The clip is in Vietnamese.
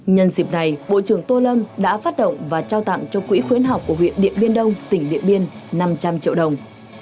nhân dịp này bộ trưởng tô lâm đã phát động và trao tặng cho quỹ khuyến học của huyện điện biên đông tỉnh điện biên năm trăm linh triệu đồng